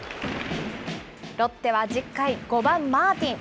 ロッテは１０回、５番マーティン。